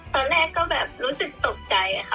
ตอนแรกก็แบบรู้สึกตกใจค่ะ